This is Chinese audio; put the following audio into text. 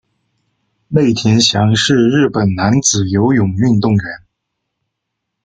内田翔是日本男子游泳运动员。